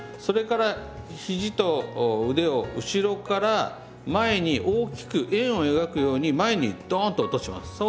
それからひじと腕を後ろから前に大きく円を描くように前にドーンと落とします。